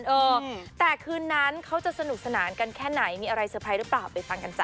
เออแต่คืนนั้นเขาจะสนุกสนานกันแค่ไหนมีอะไรเตอร์ไพรส์หรือเปล่าไปฟังกันจ้